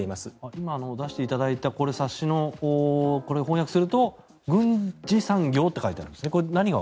今出していただいたこれは冊子を翻訳すると軍需産業と書いてありますね。